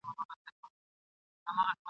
هر لښتی يې اباسين ؤ ..